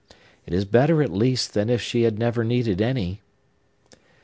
It is better, at least, than if she had never needed any!